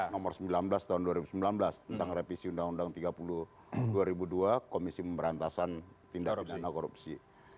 nomor sembilan belas tahun dua ribu sembilan belas tentang revisi undang undang tiga puluh dua ribu dua komisi pemberantasan tindak pidana korupsi